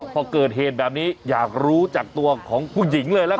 พอเกิดเหตุแบบนี้อยากรู้จากตัวของผู้หญิงเลยละกัน